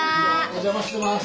お邪魔してます。